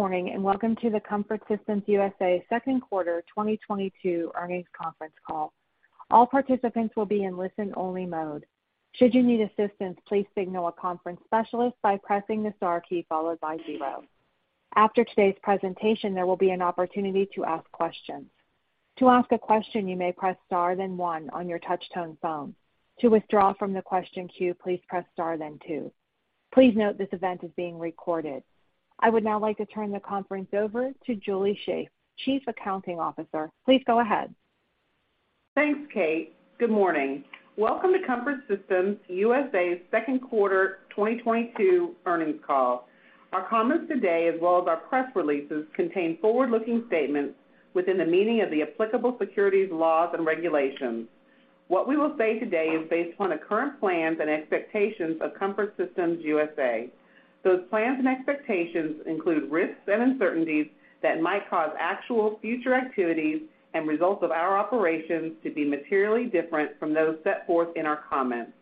Good morning, and welcome to the Comfort Systems USA second quarter 2022 earnings conference call. All participants will be in listen-only mode. Should you need assistance, please signal a conference specialist by pressing the star key followed by zero. After today's presentation, there will be an opportunity to ask questions. To ask a question, you may press Star then one on your touch-tone phone. To withdraw from the question queue, please press Star then two. Please note this event is being recorded. I would now like to turn the conference over to Julie Shaeff, Chief Accounting Officer. Please go ahead. Thanks, Kate. Good morning. Welcome to Comfort Systems USA's second quarter 2022 earnings call. Our comments today, as well as our press releases, contain forward-looking statements within the meaning of the applicable securities laws and regulations. What we will say today is based upon the current plans and expectations of Comfort Systems USA. Those plans and expectations include risks and uncertainties that might cause actual future activities and results of our operations to be materially different from those set forth in our comments.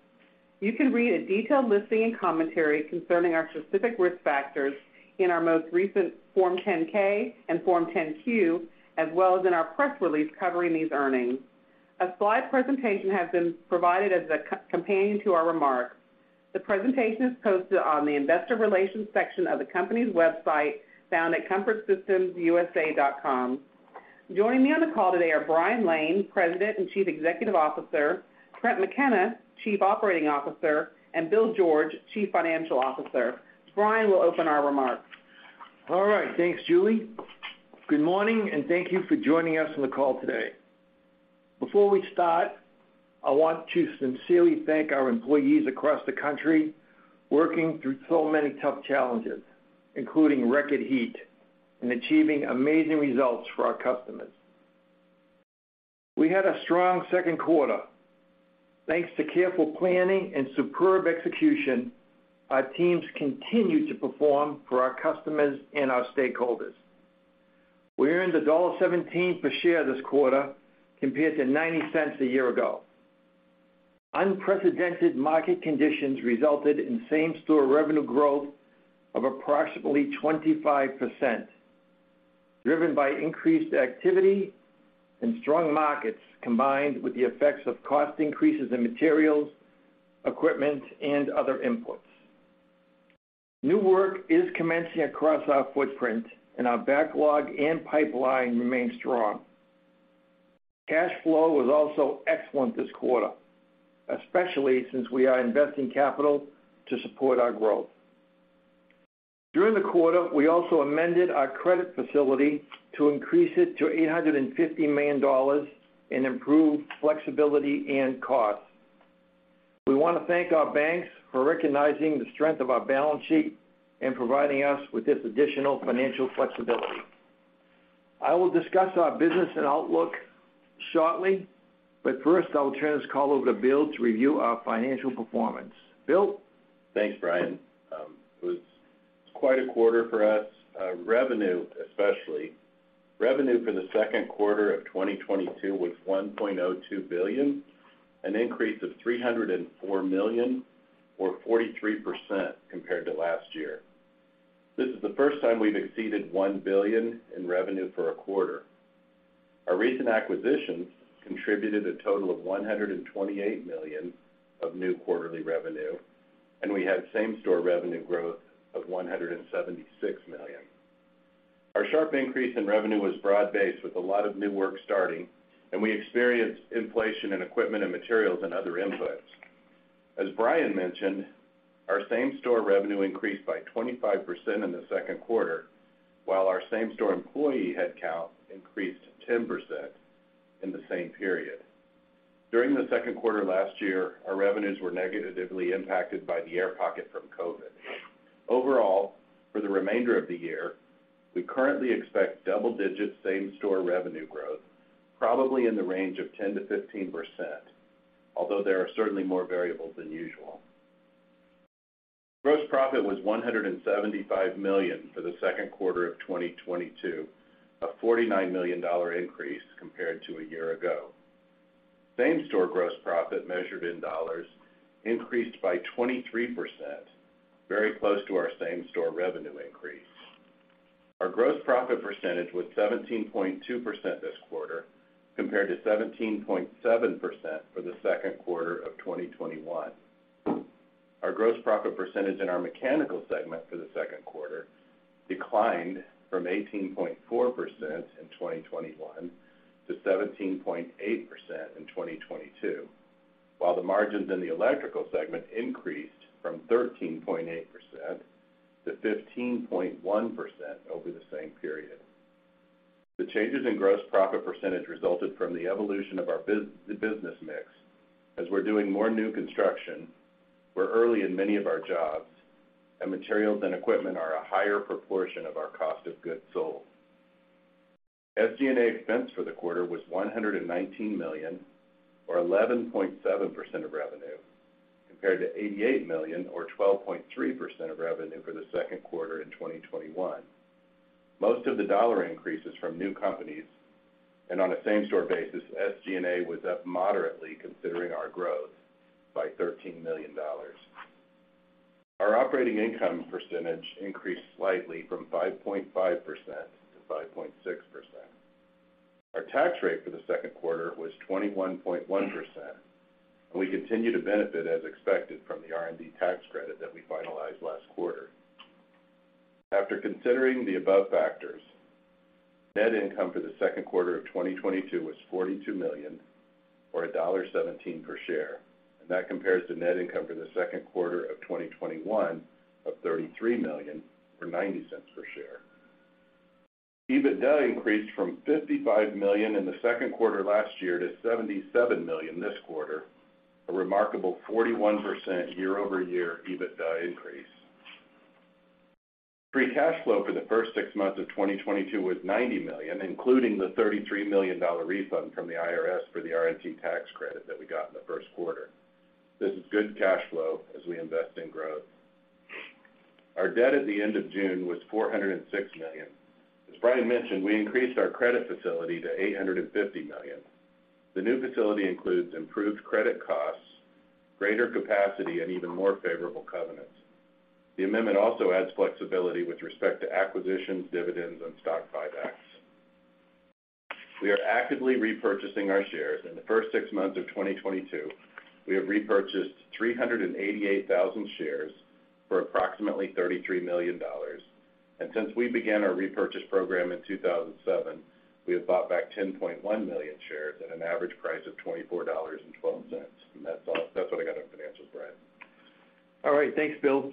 You can read a detailed listing and commentary concerning our specific risk factors in our most recent Form 10-K and Form 10-Q, as well as in our press release covering these earnings. A slide presentation has been provided as a companion to our remarks. The presentation is posted on the investor relations section of the company's website, found at comfortsystemsusa.com. Joining me on the call today are Brian Lane, President and Chief Executive Officer, Trent McKenna, Chief Operating Officer, and Bill George, Chief Financial Officer. Brian will open our remarks. All right. Thanks, Julie. Good morning, and thank you for joining us on the call today. Before we start, I want to sincerely thank our employees across the country, working through so many tough challenges, including record heat and achieving amazing results for our customers. We had a strong second quarter. Thanks to careful planning and superb execution, our teams continued to perform for our customers and our stakeholders. We earned $1.17 per share this quarter compared to $0.90 a year ago. Unprecedented market conditions resulted in same-store revenue growth of approximately 25%, driven by increased activity and strong markets, combined with the effects of cost increases in materials, equipment, and other inputs. New work is commencing across our footprint, and our backlog and pipeline remain strong. Cash flow was also excellent this quarter, especially since we are investing capital to support our growth. During the quarter, we also amended our credit facility to increase it to $850 million and improve flexibility and costs. We wanna thank our banks for recognizing the strength of our balance sheet, and providing us with this additional financial flexibility. I will discuss our business and outlook shortly, but first, I will turn this call over to Bill to review our financial performance. Bill? Thanks, Brian. It was quite a quarter for us, revenue, especially. Revenue for the second quarter of 2022 was $1.02 billion, an increase of $304 million or 43% compared to last year. This is the first time we've exceeded $1 billion in revenue for a quarter. Our recent acquisitions contributed a total of $128 million of new quarterly revenue, and we had same-store revenue growth of $176 million. Our sharp increase in revenue was broad-based with a lot of new work starting, and we experienced inflation in equipment and materials and other inputs. As Brian mentioned, our same-store revenue increased by 25% in the second quarter, while our same-store employee headcount increased 10% in the same period. During the second quarter last year, our revenues were negatively impacted by the air pocket from COVID. Overall, for the remainder of the year, we currently expect double-digit same-store revenue growth, probably in the range of 10%-15%, although there are certainly more variables than usual. Gross profit was $175 million for the second quarter of 2022, a $49 million increase compared to a year ago. Same-store gross profit measured in dollars increased by 23%, very close to our same-store revenue increase. Our gross profit percentage was 17.2% this quarter, compared to 17.7% for the second quarter of 2021. Our gross profit percentage in our mechanical segment for the second quarter declined from 18.4% in 2021 to 17.8% in 2022, while the margins in the electrical segment increased from 13.8% to 15.1% over the same period. The changes in gross profit percentage resulted from the evolution of the business mix. As we're doing more new construction, we're early in many of our jobs, and materials and equipment are a higher proportion of our cost of goods sold. SG&A expense for the quarter was $119 million or 11.7% of revenue, compared to $88 million or 12.3% of revenue for the second quarter in 2021. Most of the dollar increase is from new companies. On a same-store basis, SG&A was up moderately considering our growth by $13 million. Our operating income percentage increased slightly from 5.5% to 5.6%. Our tax rate for the second quarter was 21.1%, and we continue to benefit as expected from the R&D tax credit that we finalized last quarter. After considering the above factors, net income for the second quarter of 2022 was $42 million or $1.17 per share, and that compares to net income for the second quarter of 2021 of $33 million or $0.90 per share. EBITDA increased from $55 million in the second quarter last year to $77 million this quarter, a remarkable 41% year-over-year EBITDA increase. Free cash flow for the first six months of 2022 was $90 million, including the $33 million refund from the IRS for the R&D tax credit that we got in the first quarter. This is good cash flow as we invest in growth. Our debt at the end of June was $406 million. As Brian mentioned, we increased our credit facility to $850 million. The new facility includes improved credit costs, greater capacity, and even more favorable covenants. The amendment also adds flexibility with respect to acquisitions, dividends, and stock buybacks. We are actively repurchasing our shares. In the first six months of 2022, we have repurchased 388,000 shares for approximately $33 million. Since we began our repurchase program in 2007, we have bought back 10.1 million shares at an average price of $24.12. That's all. That's what I got on financials, Brian. All right. Thanks, Bill.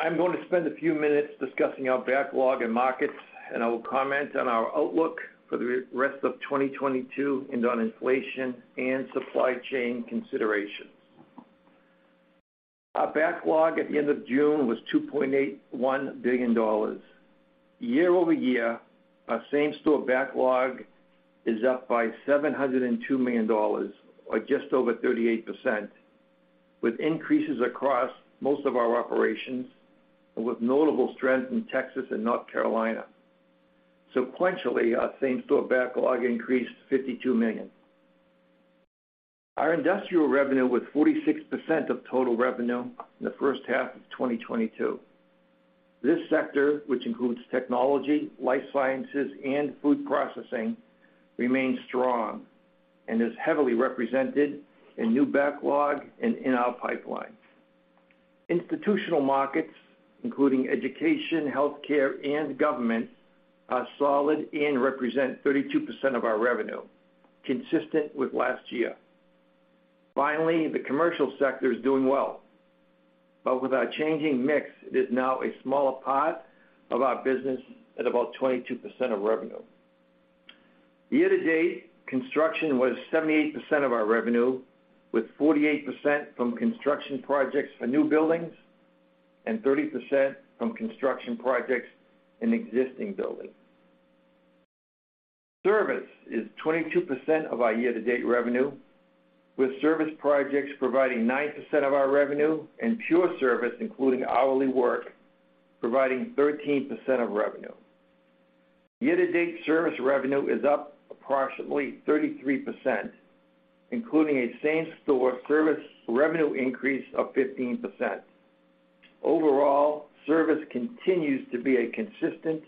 I'm going to spend a few minutes discussing our backlog and markets, and I will comment on our outlook for the rest of 2022 and on inflation and supply chain considerations. Our backlog at the end of June was $2.81 billion. Year-over-year, our same-store backlog is up by $702 million or just over 38% with increases across most of our operations and with notable strength in Texas and North Carolina. Sequentially, our same-store backlog increased $52 million. Our industrial revenue was 46% of total revenue in the first half of 2022. This sector, which includes technology, life sciences, and food processing, remains strong and is heavily represented in new backlog and in our pipeline. Institutional markets, including education, health care, and government, are solid and represent 32% of our revenue, consistent with last year. Finally, the commercial sector is doing well, but with our changing mix, it is now a smaller part of our business at about 22% of revenue. Year-to-date, construction was 78% of our revenue with 48% from construction projects for new buildings and 30% from construction projects in existing buildings. Service is 22% of our year-to-date revenue, with service projects providing 9% of our revenue and pure service, including hourly work, providing 13% of revenue. Year-to-date service revenue is up approximately 33%, including a same-store service revenue increase of 15%. Overall, service continues to be a consistent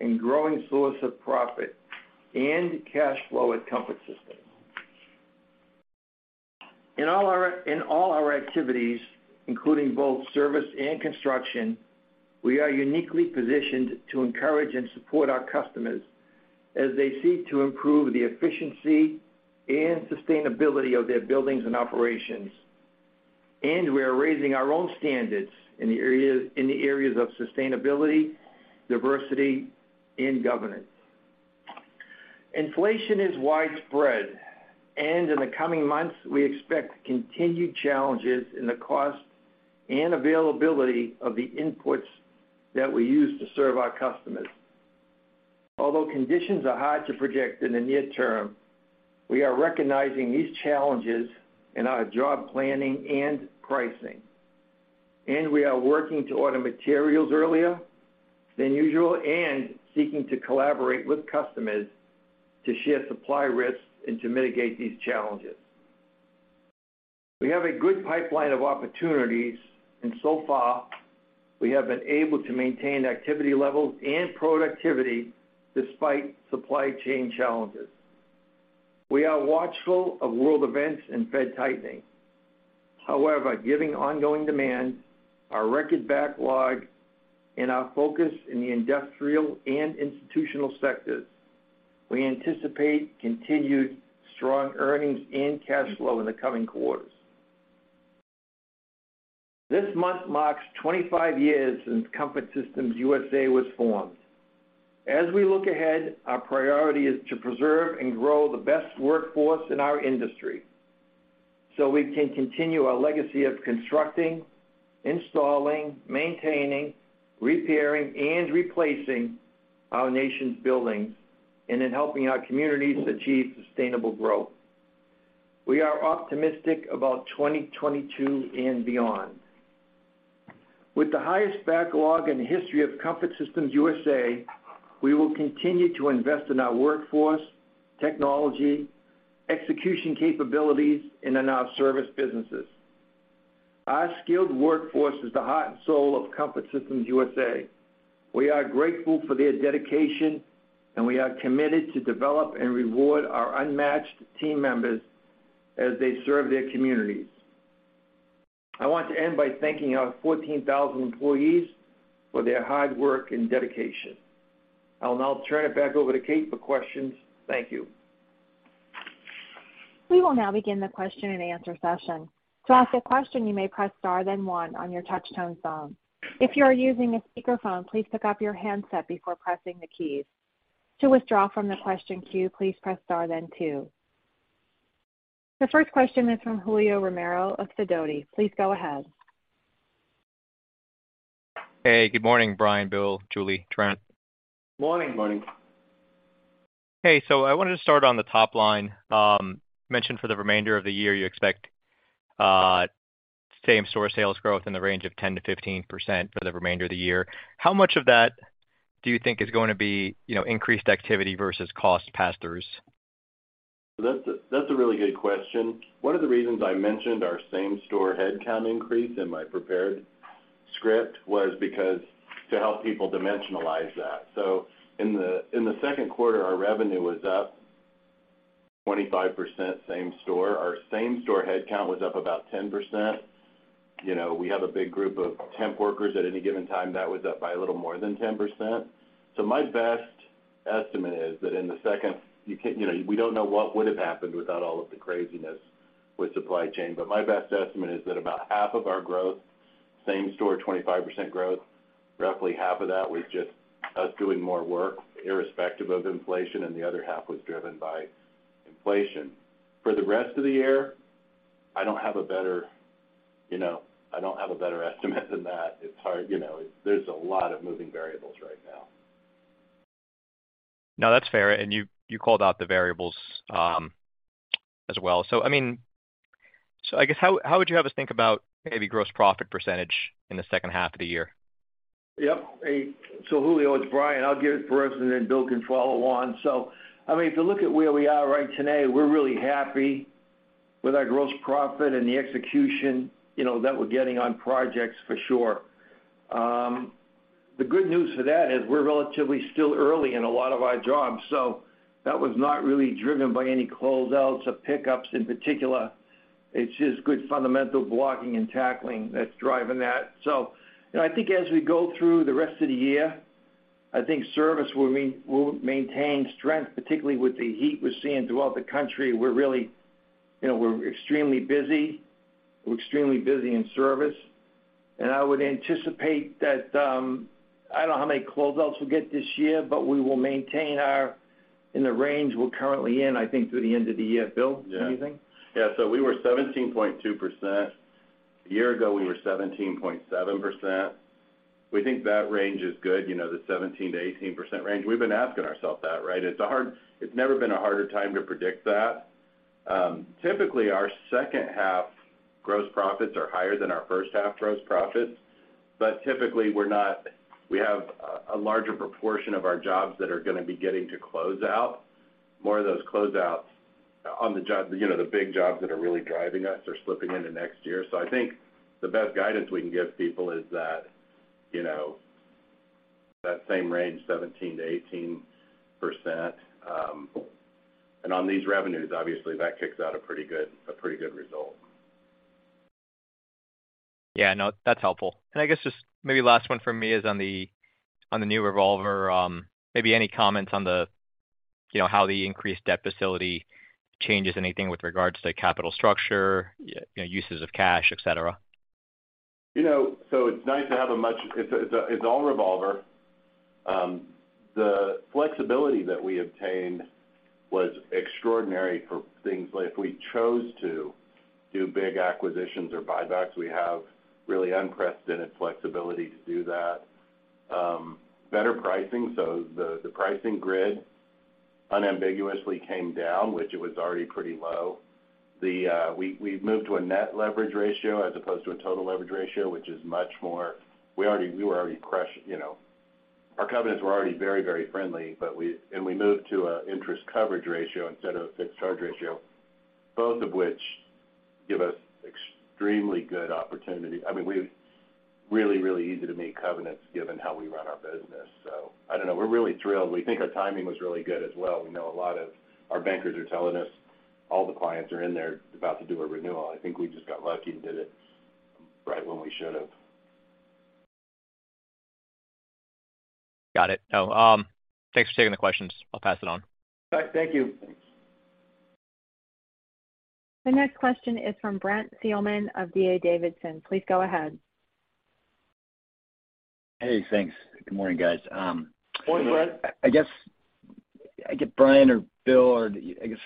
and growing source of profit and cash flow at Comfort Systems. In all our activities, including both service and construction, we are uniquely positioned to encourage and support our customers as they seek to improve the efficiency and sustainability of their buildings and operations. We are raising our own standards in the areas of sustainability, diversity, and governance. Inflation is widespread, and in the coming months, we expect continued challenges in the cost and availability of the inputs that we use to serve our customers. Although conditions are hard to project in the near term, we are recognizing these challenges in our job planning and pricing, and we are working to order materials earlier than usual and seeking to collaborate with customers to share supply risks and to mitigate these challenges. We have a good pipeline of opportunities and so far, we have been able to maintain activity levels and productivity despite supply chain challenges. We are watchful of world events and Fed tightening. However, giving ongoing demand, our record backlog, and our focus in the industrial and institutional sectors, we anticipate continued strong earnings and cash flow in the coming quarters. This month marks 25 years since Comfort Systems USA was formed. As we look ahead, our priority is to preserve and grow the best workforce in our industry so we can continue our legacy of constructing, installing, maintaining, repairing, and replacing our nation's buildings and in helping our communities achieve sustainable growth. We are optimistic about 2022 and beyond. With the highest backlog in the history of Comfort Systems USA, we will continue to invest in our workforce, technology, execution capabilities, and in our service businesses. Our skilled workforce is the heart and soul of Comfort Systems USA. We are grateful for their dedication, and we are committed to develop and reward our unmatched team members as they serve their communities. I want to end by thanking our 14,000 employees for their hard work and dedication. I'll now turn it back over to Kate for questions. Thank you. We will now begin the question-and-answer session. To ask a question, you may press star then one on your touch-tone phone. If you are using a speakerphone, please pick up your handset before pressing the keys. To withdraw from the question queue, please press star then two. The first question is from Julio Romero of Sidoti & Company. Please go ahead. Hey, good morning, Brian, Bill, Julie, Trent. Morning. Morning. Hey. I wanted to start on the top line, mentioned for the remainder of the year, you expect same-store sales growth in the range of 10%-15% for the remainder of the year. How much of that do you think is going to be increased activity versus cost pass-throughs? That's a really good question. One of the reasons I mentioned our same-store headcount increase in my prepared script was because to help people dimensionalize that. In the second quarter, our revenue was up 25% same store. Our same store headcount was up about 10%. We have a big group of temp workers at any given time, that was up by a little more than 10%. My best estimate is that we don't know what would have happened without all of the craziness with supply chain. My best estimate is that about half of our growth, same-store 25% growth, roughly half of that was just us doing more work irrespective of inflation, and the other half was driven by inflation. For the rest of the year, I don't have a better, I don't have a better estimate than that. It's hard. There's a lot of moving variables right now. No, that's fair. You called out the variables as well. I guess, how would you have us think about maybe gross profit percentage in the second half of the year? Yep. Julio, it's Brian. I'll give it for us, and then Bill can follow on. I mean, if you look at where we are right today, we're really happy with our gross profit and the execution, that we're getting on projects for sure. The good news for that is we're relatively still early in a lot of our jobs, so that was not really driven by any closeouts or pickups in particular. It's just good fundamental blocking and tackling that's driving that. I think as we go through the rest of the year, I think service will maintain strength, particularly with the heat we're seeing throughout the country. We're extremely busy. We're extremely busy in service. I would anticipate that, I don't know how many closeouts we'll get this year, but we will maintain our in the range we're currently in, I think through the end of the year. Bill, anything? Yeah. We were 17.2%. A year ago, we were 17.7%. We think that range is good, the 17%-18% range. We've been asking ourselves that, right? It's never been a harder time to predict that. Typically, our second half gross profits are higher than our first half gross profits. Typically, we have a larger proportion of our jobs that are gonna be getting to close out. More of those close outs on those jobs, you know, the big jobs that are really driving us are slipping into next year. I think the best guidance we can give people is that, you know, that same range, 17%-18%. And on these revenues, obviously, that kicks out a pretty good result. Yeah, no, that's helpful. I guess just maybe last one for me is on the new revolver. Maybe any comments on how the increased debt facility changes anything with regards to capital structure, you know, uses of cash, et cetera. You know, it's all revolver. The flexibility that we obtained was extraordinary for things like if we chose to do big acquisitions or buybacks, we have really unprecedented flexibility to do that. Better pricing. The pricing grid unambiguously came down, which it was already pretty low. We've moved to a net leverage ratio as opposed to a total leverage ratio, which is much more. We were already crush. Our covenants were already very, very friendly, but we moved to a interest coverage ratio instead of a fixed charge ratio, both of which give us extremely good opportunity. I mean, we've really, really easy to meet covenants given how we run our business. I don't know. We're really thrilled. We think our timing was really good as well. We know a lot of our bankers are telling us all the clients are in there about to do a renewal. I think we just got lucky and did it right when we should have. Got it. Oh, thanks for taking the questions. I'll pass it on. All right. Thank you. The next question is from Brent Thielman of D.A. Davidson & Co. Please go ahead. Hey, thanks. Good morning, guys. Morning, Brent. I guess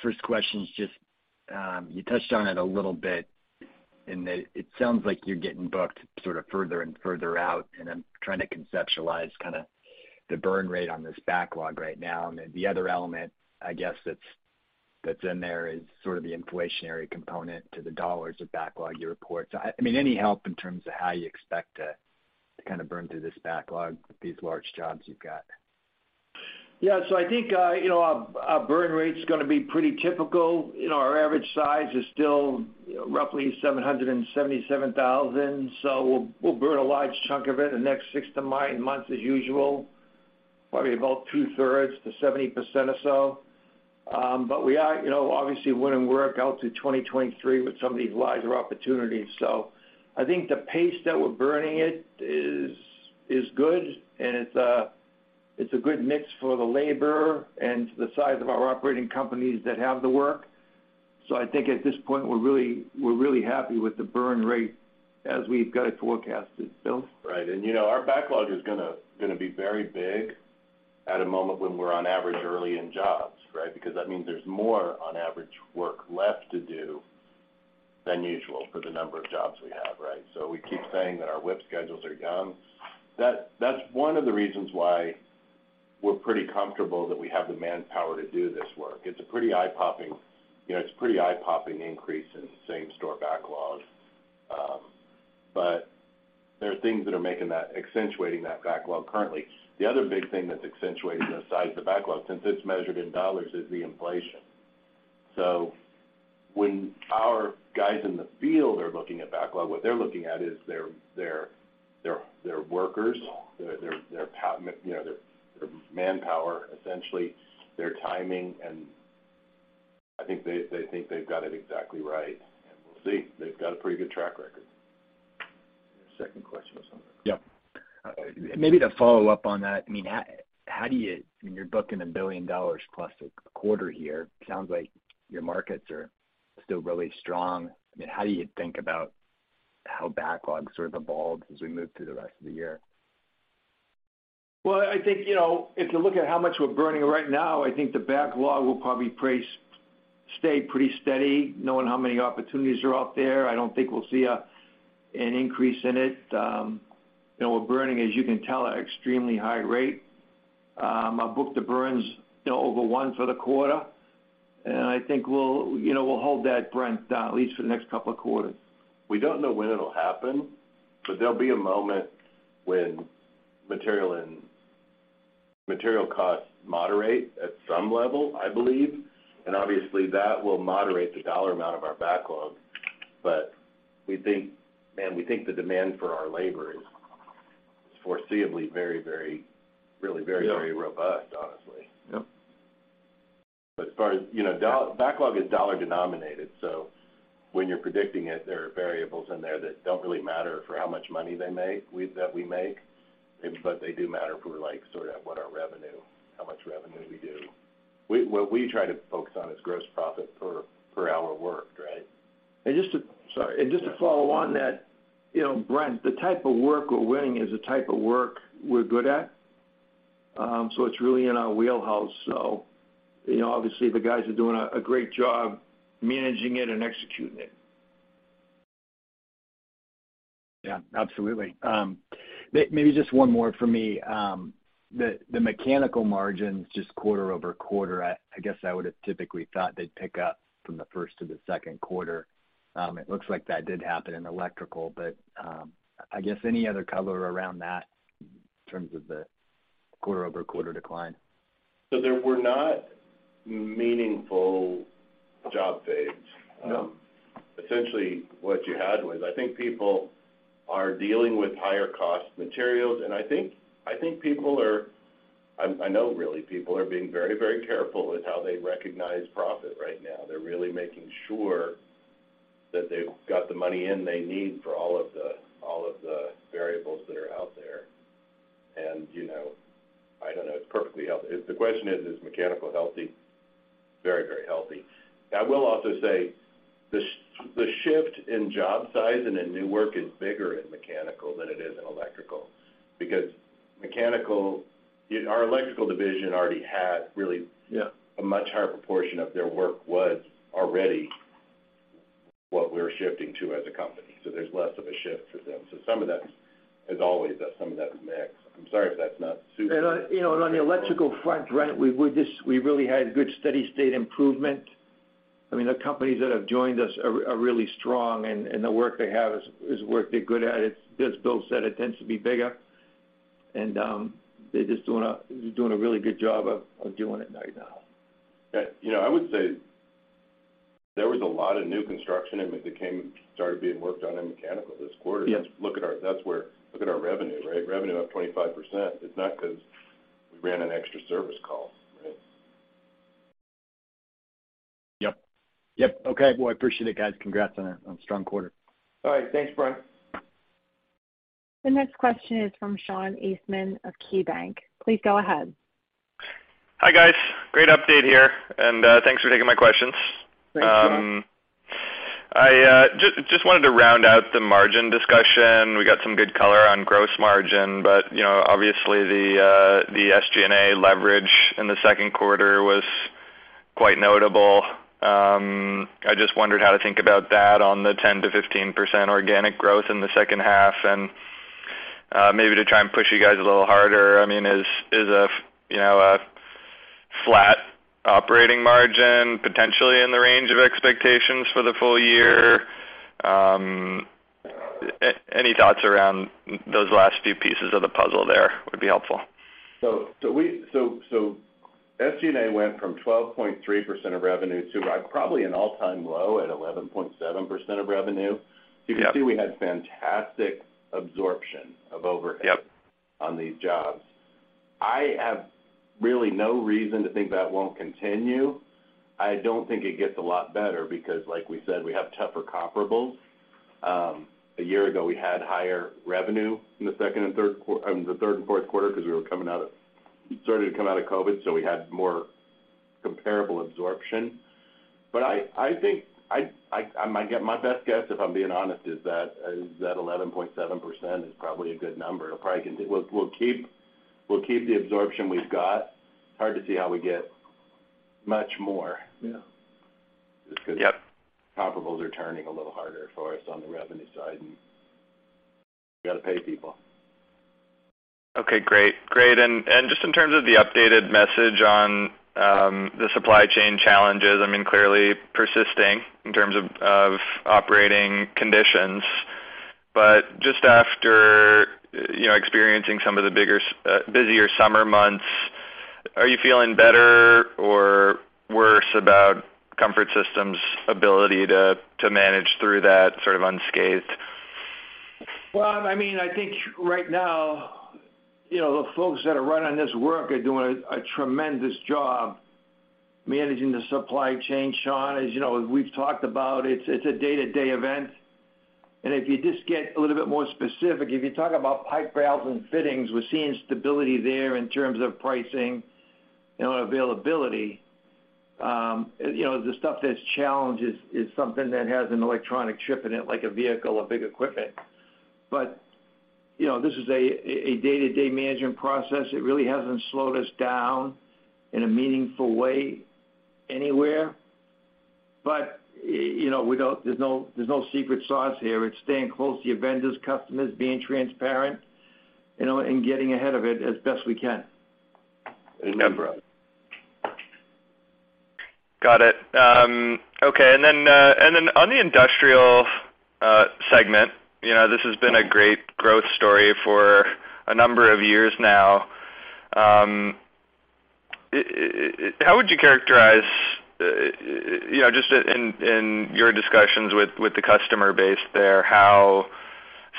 first question is just, you touched on it a little bit, and it sounds like you're getting booked sort of further and further out, and I'm trying to conceptualize kinda the burn rate on this backlog right now. Then the other element, I guess that's in there is sort of the inflationary component to the dollars of backlog you report. I mean, any help in terms of how you expect to kind of burn through this backlog with these large jobs you've got? I think our burn rate's gonna be pretty typical. You know, our average size is still roughly $777,000. We'll burn a large chunk of it in the next siz to nine months as usual, probably about 2/3 to 70% or so. We are obviously winning work out through 2023 with some of these larger opportunities. I think the pace that we're burning it is good, and it's a good mix for the labor and the size of our operating companies that have the work. I think at this point, we're really happy with the burn rate as we've got it forecasted. Bill? Right. Our backlog is gonna be very big at a moment when we're on average early in jobs, right? Because that means there's more on average work left to do than usual for the number of jobs we have, right? We keep saying that our WIP schedules are young. That's one of the reasons why we're pretty comfortable that we have the manpower to do this work. It's a pretty eye-popping increase in same store backlog. There are things that are making that, accentuating that backlog currently. The other big thing that's accentuating the size of the backlog, since it's measured in dollars, is the inflation. When our guys in the field are looking at backlog, what they're looking at is their workers, you know, their manpower, essentially, their timing, and I think they think they've got it exactly right. We'll see. They've got a pretty good track record. Your second question was something. Yep. Maybe to follow up on that, I mean, how do you, when you're booking $1 billion plus a quarter here? Sounds like your markets are still really strong. I mean, how do you think about how backlogs sort of evolve as we move through the rest of the year? Well, I think if you look at how much we're burning right now, I think the backlog will probably stay pretty steady knowing how many opportunities are out there. I don't think we'll see an increase in it. We're burning, as you can tell, at extremely high rate. Our book-to-bill's, you know, over one for the quarter. I think we'll hold that, Brent, at least for the next couple of quarters. We don't know when it'll happen, but there'll be a moment when material and material costs moderate at some level, I believe. Obviously, that will moderate the dollar amount of our backlog. We think, man, we think the demand for our labor is foreseeably very, very, really very robust, honestly. As far as, you know, backlog is dollar denominated, so when you're predicting it, there are variables in there that don't really matter for how much money we make. They do matter for like, sort of what our revenue, how much revenue we do. What we try to focus on is gross profit per hour worked, right? Just to follow on that, Brent, the type of work we're winning is the type of work we're good at. It's really in our wheelhouse. Obviously the guys are doing a great job managing it and executing it. Yeah, absolutely. Maybe just one more for me. The mechanical margins just quarter-over-quarter, I guess I would've typically thought they'd pick up from the first to the second quarter. It looks like that did happen in electrical, but, I guess any other color around that in terms of the quarter-over-quarter decline? There were not meaningful job fades. Essentially, what you had was, I think people are dealing with higher cost materials, and I think people are I know really people are being very, very careful with how they recognize profit right now. They're really making sure that they've got the money in they need for all of the variables that are out there. I don't know, it's perfectly healthy. If the question is mechanical healthy? Very, very healthy. I will also say, the shift in job size and in new work is bigger in mechanical than it is in electrical. Because our electrical division already had really a much higher proportion of their work was already what we're shifting to as a company, so there's less of a shift for them. Some of that's, as always, some of that's mix. I'm sorry if that's not super. On the Electrical front, we really had good steady state improvement. I mean, the companies that have joined us are really strong and the work they have is work they're good at. As Bill said, it tends to be bigger. They're just doing a really good job of doing it right now. Yeah. I would say there was a lot of new construction and that started being worked on in mechanical this quarter. Look at our revenue, right? Revenue up 25%. It's not 'cause we ran an extra service call, right? Yep. Okay. Well, I appreciate it, guys. Congrats on a strong quarter. All right. Thanks, Brent. The next question is from Sean Eastman of KeyBanc. Please go ahead. Hi, guys. Great update here, and, thanks for taking my questions. Thanks, Sean. I just wanted to round out the margin discussion. We got some good color on gross margin, but obviously the SG&A leverage in the second quarter was quite notable. I just wondered how to think about that on the 10%-15% organic growth in the second half. Maybe to try and push you guys a little harder. I mean, is a flat operating margin potentially in the range of expectations for the full year? Any thoughts around those last few pieces of the puzzle there would be helpful. SG&A went from 12.3% of revenue to, like, probably an all-time low at 11.7% of revenue. You can see we had fantastic absorption of overhead. On these jobs. I have really no reason to think that won't continue. I don't think it gets a lot better because, like we said, we have tougher comparables. A year ago, we had higher revenue in the third and fourth quarter because we were starting to come out of COVID, so we had more comparable absorption. I think my best guess, if I'm being honest, is that 11.7% is probably a good number. We'll keep the absorption we've got. It's hard to see how we get much more. Just 'cause comparables are turning a little harder for us on the revenue side, and we gotta pay people. Okay, great. Great. Just in terms of the updated message on the supply chain challenges, I mean, clearly persisting in terms of operating conditions. Just after experiencing some of the bigger busier summer months, are you feeling better or worse about Comfort Systems' ability to manage through that sort of unscathed? Well, I mean, I think right now the folks that are running this work are doing a tremendous job managing the supply chain, Sean. As you know, as we've talked about, it's a day-to-day event. If you just get a little bit more specific, if you talk about pipe valves and fittings, we're seeing stability there in terms of pricing and availability. The stuff that's challenged is something that has an electronic chip in it, like a vehicle or big equipment. This is a day-to-day management process. It really hasn't slowed us down in a meaningful way anywhere. You know, we don't— there's no secret sauce here. It's staying close to your vendors, customers, being transparent, and getting ahead of it as best we can. Got it. Okay. On the industrial segment, you know, this has been a great growth story for a number of years now. How would you characterize, just in your discussions with the customer base there, how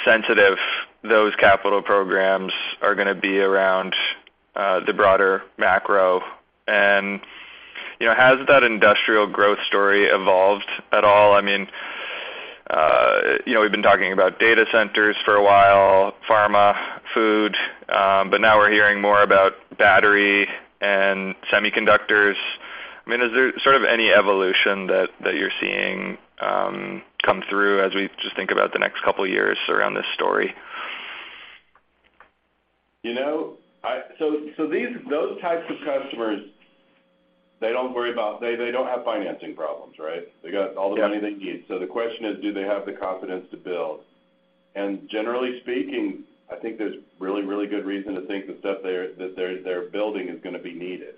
sensitive those capital programs are gonna be around the broader macro? You know, has that industrial growth story evolved at all? I mean, we've been talking about data centers for a while, pharma, food, but now we're hearing more about battery and semiconductors. I mean, is there sort of any evolution that you're seeing come through as we just think about the next couple of years around this story? Those types of customers, they don't have financing problems, right? They got all the money they need. The question is, do they have the confidence to build? Generally speaking, I think there's really, really good reason to think the stuff that they're building is gonna be needed.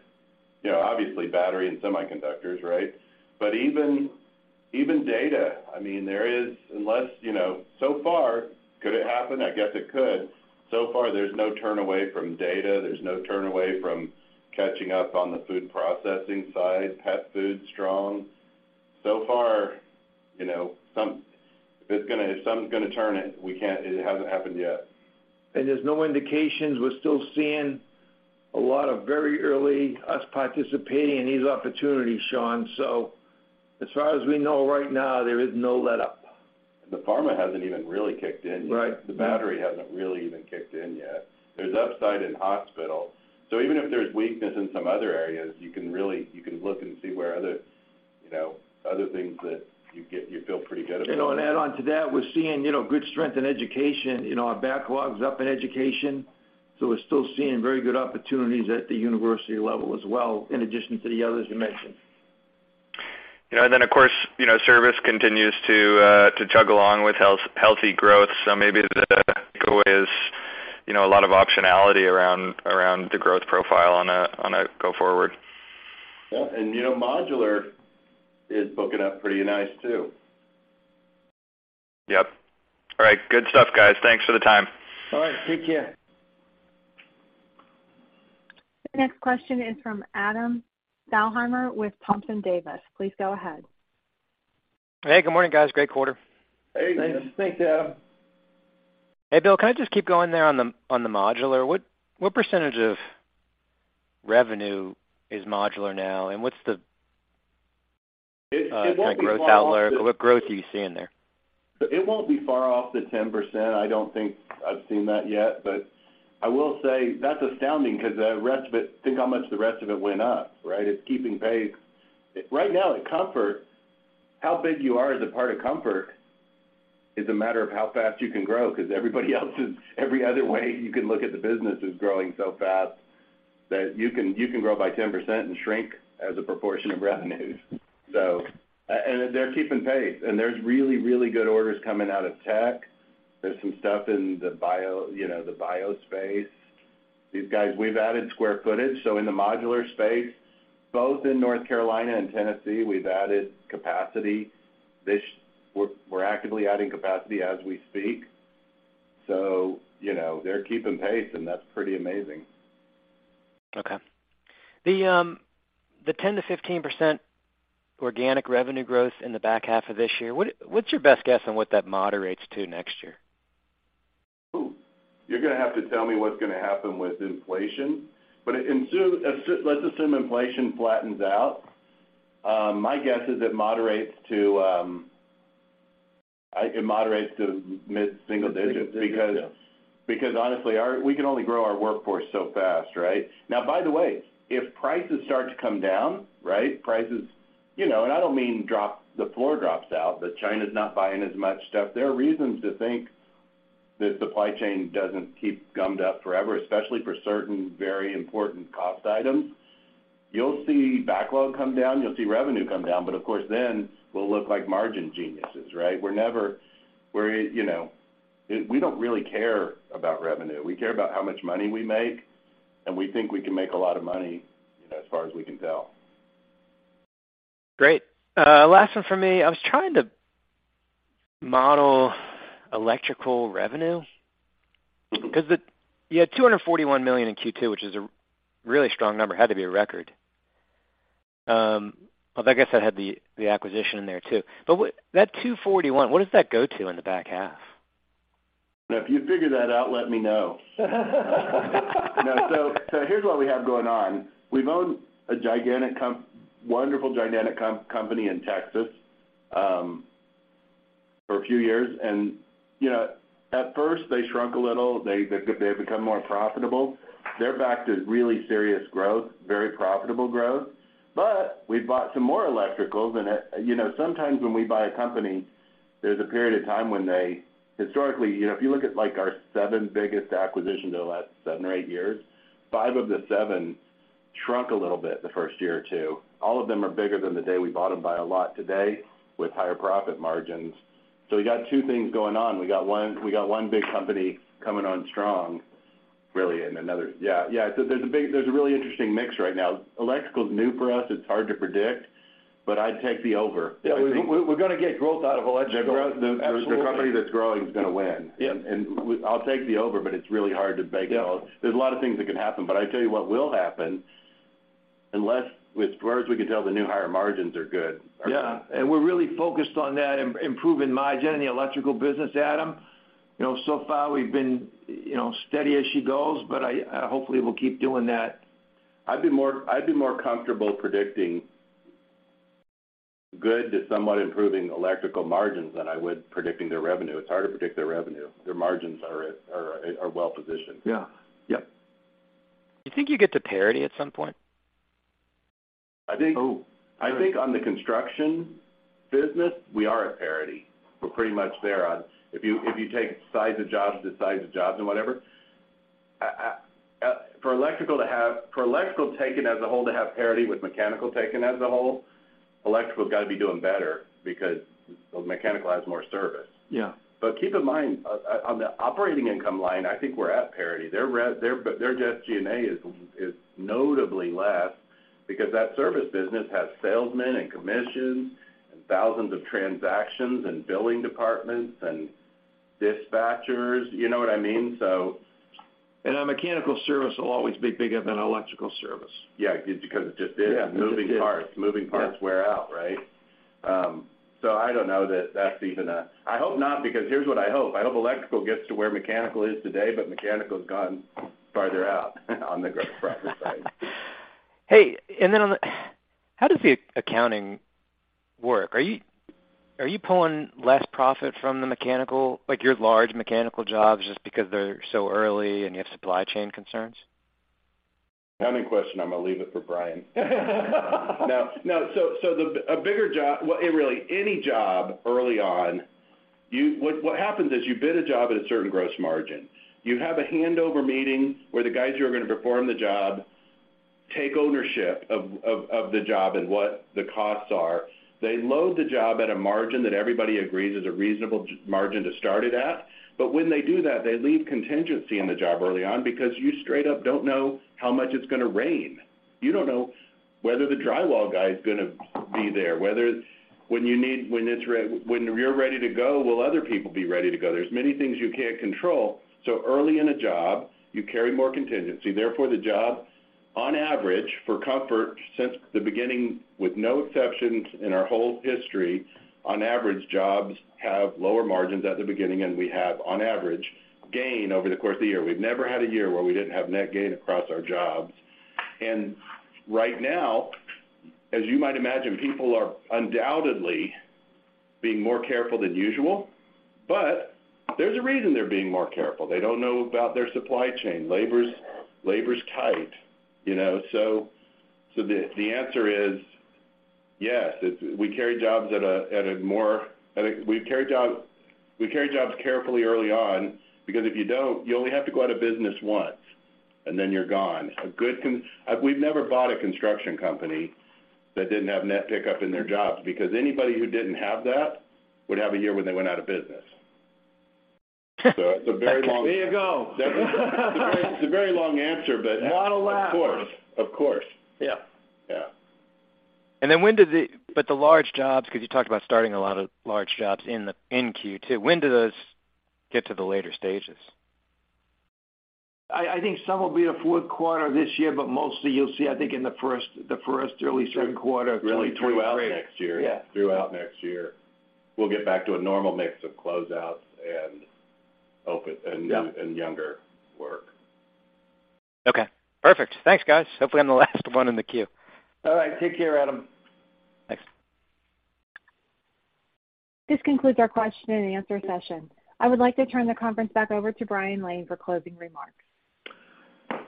You know, obviously battery and semiconductors, right? But even data, I mean, there is. Unless, so far, could it happen? I guess it could. So far, there's no turn away from data. There's no turn away from catching up on the food processing side. Pet food's strong. So far, you know, if something's gonna turn, it hasn't happened yet. There's no indications. We're still seeing a lot of very early U.S. participating in these opportunities, Sean. As far as we know right now, there is no letup. The pharma hasn't even really kicked in yet. The battery hasn't really even kicked in yet. There's upside in hospital. Even if there's weakness in some other areas, you can look and see where other, you know, other things that you get, you feel pretty good about. Add on to that, we're seeing, you know, good strength in education. Our backlog's up in education, so we're still seeing very good opportunities at the university level as well, in addition to the others you mentioned. And then, of course, you know, service continues to to chug along with healthy growth. Maybe the takeaway is, you know, a lot of optionality around the growth profile on a go forward. Yeah. You know, modular is booking up pretty nice too. Yep. All right. Good stuff, guys. Thanks for the time. All right. Take care. The next question is from Adam Thalhimer with Thompson, Davis & Co. Please go ahead. Hey, good morning, guys. Great quarter. Hey. Thanks. Thank you, Adam. Hey, Bill, can I just keep going there on the modular? What percentage of revenue is modular now? What's the- It won't be far off the. Kind of growth outlier? What growth are you seeing there? It won't be far off the 10%. I don't think I've seen that yet. I will say that's astounding because the rest of it, think how much the rest of it went up, right? It's keeping pace. Right now at Comfort, how big you are as a part of Comfort is a matter of how fast you can grow because everybody else is every other way you can look at the business is growing so fast. You can grow by 10% and shrink as a proportion of revenues. And they're keeping pace, and there's really, really good orders coming out of tech. There's some stuff in the bio space. These guys, we've added square footage, so in the modular space, both in North Carolina and Tennessee, we've added capacity. We're actively adding capacity as we speak. They're keeping pace, and that's pretty amazing. Okay. The 10%-15% organic revenue growth in the back half of this year, what's your best guess on what that moderates to next year? Ooh. You're gonna have to tell me what's gonna happen with inflation. Assume, let's assume inflation flattens out. My guess is it moderates to mid single digits. Single digits, yeah. Because honestly, our. We can only grow our workforce so fast, right? Now, by the way, if prices start to come down, right, prices, and I don't mean drop, the floor drops out, but China's not buying as much stuff. There are reasons to think the supply chain doesn't keep gummed up forever, especially for certain very important cost items. You'll see backlog come down, you'll see revenue come down, but of course then we'll look like margin geniuses, right? We don't really care about revenue. We care about how much money we make, and we think we can make a lot of money, as far as we can tell. Great. Last one from me. I was trying to model electrical revenue. Cause you had $241 million in Q2, which is a really strong number, had to be a record. I guess that had the acquisition in there too. That 241, what does that go to in the back half? Now, if you figure that out, let me know. No. Here's what we have going on. We've owned a wonderful, gigantic company in Texas for a few years. At first they shrunk a little. They've become more profitable. They're back to really serious growth, very profitable growth. We bought some more electricals. Sometimes when we buy a company, there's a period of time when they historically, if you look at, like, our seven biggest acquisitions over the last seven, eight years, five of the seven shrunk a little bit the first year or two. All of them are bigger than the day we bought them by a lot today, with higher profit margins. We got two things going on. We got one big company coming on strong, really, and another. Yeah. There's a really interesting mix right now. Electrical is new for us. It's hard to predict, but I'd take the over. I think. Yeah, we're gonna get growth out of electrical. Absolutely. The growth, the company that's growing is gonna win. Yeah. I'll take the over, but it's really hard to make it all. Yeah. There's a lot of things that can happen. I tell you what will happen, unless, as far as we can tell, the new higher margins are good. Yeah. We're really focused on that, improving margin in the electrical business, Adam. You know, so far we've been, you know, steady as she goes, but I hopefully we'll keep doing that. I'd be more comfortable predicting good to somewhat improving electrical margins than I would predicting their revenue. It's hard to predict their revenue. Their margins are well-positioned. Do you think you get to parity at some point? I think on the construction business, we are at parity. We're pretty much there on if you take size of jobs to size of jobs and whatever. For electrical taken as a whole to have parity with mechanical taken as a whole, electrical's gotta be doing better because mechanical has more service. Keep in mind, on the operating income line, I think we're at parity. Their SG&A is notably less because that service business has salesmen and commissions and thousands of transactions and billing departments and dispatchers. You know what I mean? A mechanical service will always be bigger than electrical service. Yeah, because it just is. Moving parts. Moving parts wear out, right? I don't know that that's. I hope not, because here's what I hope. I hope electrical gets to where mechanical is today, but mechanical's gotten farther out on the gross profit side. How does the accounting work? Are you pulling less profit from the mechanical, like your large mechanical jobs, just because they're so early and you have supply chain concerns? Accounting question, I'm gonna leave it for Brian. No, no. The bigger job. Well, really any job early on, you. What happens is you bid a job at a certain gross margin. You have a handover meeting where the guys who are gonna perform the job take ownership of the job and what the costs are. They load the job at a margin that everybody agrees is a reasonable margin to start it at. But when they do that, they leave contingency in the job early on because you straight up don't know how much it's gonna rain. You don't know whether the drywall guy is gonna be there, whether when you need, when you're ready to go, will other people be ready to go. There's many things you can't control. Early in a job, you carry more contingency. Therefore, the job, on average, for Comfort, since the beginning with no exceptions in our whole history, on average, jobs have lower margins at the beginning, and we have, on average, gain over the course of the year. We've never had a year where we didn't have net gain across our jobs. Right now, as you might imagine, people are undoubtedly being more careful than usual. There's a reason they're being more careful. They don't know about their supply chain. Labor's tight? The answer is yes. I think we carry jobs carefully early on because if you don't, you only have to go out of business once, and then you're gone. We've never bought a construction company that didn't have net pickup in their jobs because anybody who didn't have that would have a year when they went out of business. It's a very long long answer, but. Model out. Of course. Of course. The large jobs, 'cause you talked about starting a lot of large jobs in Q2, when do those get to the later stages? I think some will be in fourth quarter this year, but mostly you'll see, I think, in the first early third quarter 2023. Really throughout next year. Throughout next year, we'll get back to a normal mix of closeouts and open new and younger work. Okay, perfect. Thanks, guys. Hopefully I'm the last one in the queue. All right. Take care, Adam. Thanks. This concludes our question and answer session. I would like to turn the conference back over to Brian Lane for closing remarks.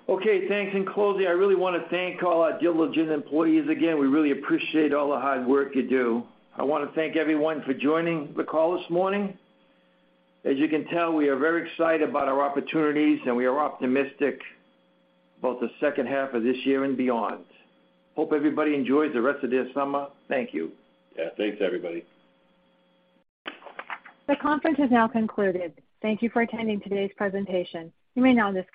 Okay, thanks. In closing, I really wanna thank all our diligent employees again. We really appreciate all the hard work you do. I wanna thank everyone for joining the call this morning. As you can tell, we are very excited about our opportunities, and we are optimistic about the second half of this year and beyond. Hope everybody enjoys the rest of their summer. Thank you. Yeah. Thanks, everybody. The conference has now concluded. Thank you for attending today's presentation. You may now disconnect.